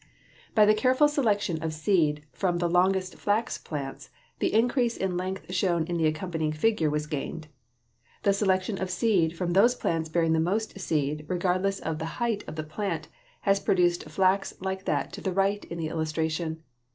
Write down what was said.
[Illustration: FIG. 51. TWO VARIETIES OF FLAX FROM ONE PARENT STOCK] By the careful selection of seed from the longest flax plants the increase in length shown in the accompanying figure was gained. The selection of seed from those plants bearing the most seed, regardless of the height of the plant, has produced flax like that to the right in the illustration.